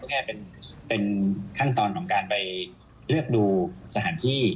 แค่เป็นขั้นตอนของการไปเลือกดูสถานที่